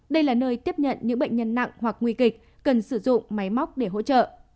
đây là nơi tiếp nhận những bệnh nhân nặng hoặc nguy kịch cần sử dụng máy móc để hỗ trợ